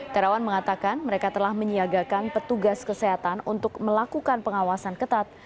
terawan mengatakan mereka telah menyiagakan petugas kesehatan untuk melakukan pengawasan ketat